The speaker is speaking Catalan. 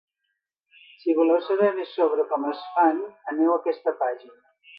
Si voleu saber més sobre com es fan, aneu a aquesta pàgina.